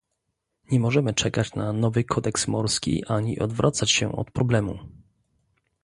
Nie możemy czekać na nowy kodeks morski ani odwracać się od problemu